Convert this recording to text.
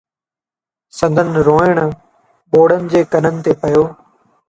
سندن روئڻ ٻوڙن جي ڪنن تي پيو.